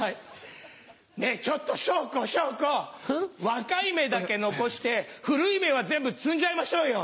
ねぇちょっとショウコショウコ若い芽だけ残して古い芽は全部摘んじゃいましょうよ。